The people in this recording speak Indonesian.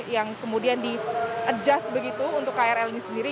yang kemudian di adjust begitu untuk krl ini sendiri